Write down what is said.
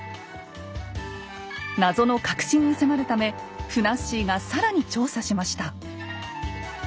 謎の核心に迫るためふなっしーが更に調査しました。